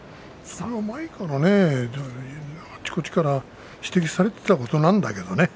前から、あちこちから指摘されてきたことなんだけどね。